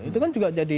itu kan juga jadi